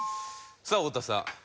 さあ太田さん。